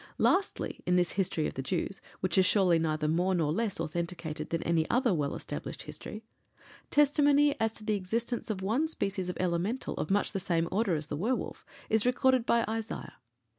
Lastly, in this history of the Jews, which is surely neither more nor less authenticated than any other well established history, testimony as to the existence of one species of Elemental of much the same order as the werwolf is recorded by Isaiah.